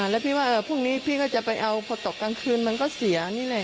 แล้วพี่ว่าพรุ่งนี้พี่ก็จะไปเอาพอตกกลางคืนมันก็เสียนี่แหละ